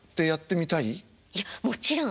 いやもちろん。